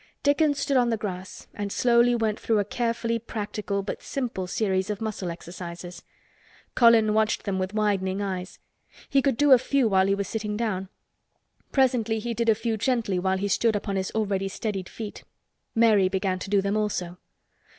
Dickon stood up on the grass and slowly went through a carefully practical but simple series of muscle exercises. Colin watched them with widening eyes. He could do a few while he was sitting down. Presently he did a few gently while he stood upon his already steadied feet. Mary began to do them also.